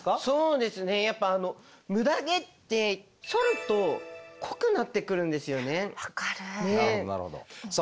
そうですねやっぱムダ毛ってそると濃くなってくるんですよね。